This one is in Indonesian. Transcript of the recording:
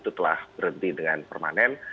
itu telah berhenti dengan permanen